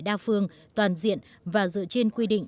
hệ thống thương mại đa phương toàn diện và dựa trên quy định